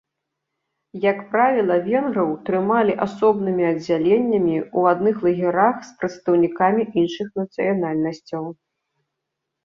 Як правіла венграў трымалі асобнымі аддзяленнямі ў адных лагерах з прадстаўнікамі іншых нацыянальнасцяў.